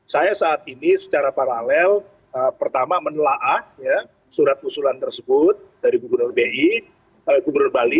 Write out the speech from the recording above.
saya saat ini secara paralel pertama menelah ya surat usulan tersebut dari gubernur bali